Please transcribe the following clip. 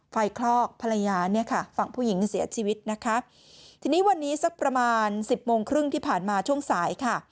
คลอกภรรยาเนี่ยค่ะฝั่งผู้หญิงเสียชีวิตนะคะทีนี้วันนี้สักประมาณสิบโมงครึ่งที่ผ่านมาช่วงสายค่ะ